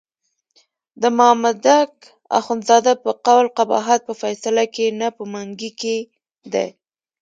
د مامدک اخندزاده په قول قباحت په فیصله کې نه په منګي کې دی.